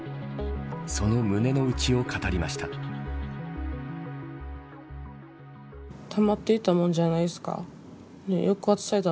その胸の内を語りました。